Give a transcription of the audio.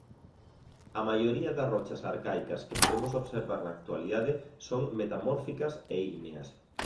A maioría das rochas arcaicas que podemos observar na actualidade son metamórficas e ígneas.